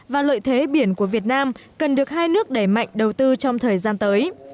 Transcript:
và lợi thế biển của việt nam cần được hai nước đẩy mạnh đầu tư trong thời gian tới